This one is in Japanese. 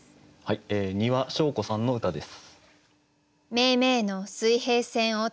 丹羽祥子さんの歌です。